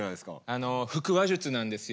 あの腹話術なんですよ。